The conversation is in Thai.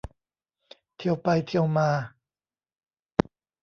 เทียวไปเทียวมา